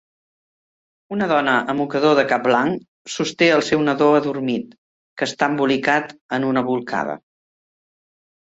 Una dona amb mocador de cap blanc sosté el seu nadó adormit, que està embolicat en una bolcada.